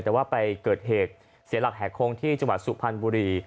แต่ว่าไปเกิดเหตุเสียหลักแห่โค้งที่จังหวัดสุพรรณบุรี